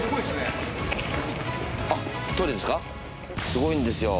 すごいんですよ。